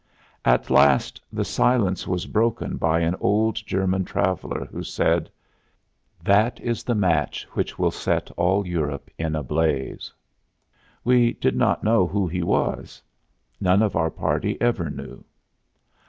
At last the silence was broken by an old German traveler, who said: "That is the match which will set all Europe in a blaze." We did not know who he was. None of our party ever knew.